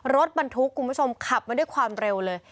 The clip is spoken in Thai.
รถบรรทุกคุณผู้ชมขับมาด้วยความเร็วเลย